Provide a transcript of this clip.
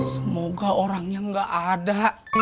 semoga orangnya gak ada